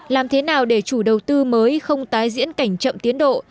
làm thế nào để chủ đầu tư mới không tái diễn cảnh chậm tiến độ